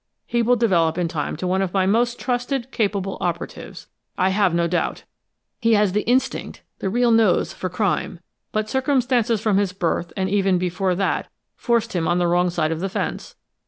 He will develop in time into one of my most trusted, capable operatives, I have no doubt. He has the instinct, the real nose, for crime, but circumstances from his birth and even before that, forced him on the wrong side of the fence.